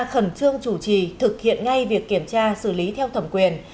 khẩn trương chủ trì thực hiện ngay việc kiểm tra xử lý theo thẩm quyền